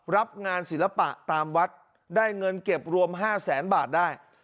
รับงานศิลปะตามวัดได้เงินเก็บรวม๕แสนบาทได้